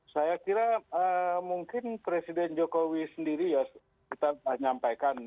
saya kira mungkin presiden jokowi sendiri ya kita nyampaikan